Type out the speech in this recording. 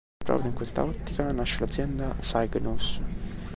Proprio in questa ottica nasce l'azienda Cygnus.